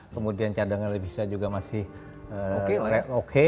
kemudian cadangan bisa juga masih oke